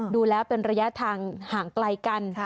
ดูแล้วเป็นระยะทางห่างไกลกัน